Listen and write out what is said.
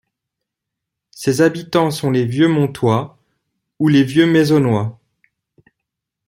Ses habitants sont les Vieux-Montois ou les Vieux-Maisonnois.